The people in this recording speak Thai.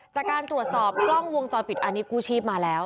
จากการตรวจสอบกล้องวงจรปิดอันนี้กู้ชีพมาแล้ว